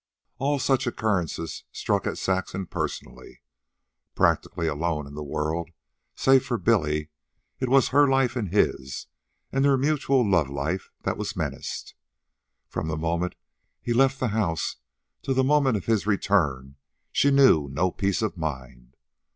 And all such occurrences struck at Saxon personally. Practically alone in the world, save for Billy, it was her life, and his, and their mutual love life, that was menaced. From the moment he left the house to the moment of his return she knew no peace of mind.